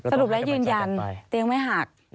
สรุปแล้วยืนยันเตียงไม่หัก